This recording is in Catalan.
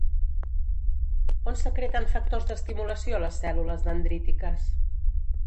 On secreten factors d'estimulació les cèl·lules dendrítiques?